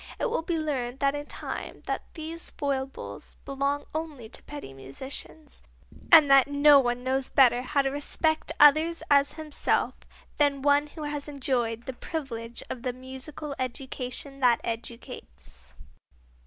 It will be learned in time that these foibles belong only to petty musicians, and that no one knows better how to respect others as himself than one who has enjoyed the privilege of the musical education that educates.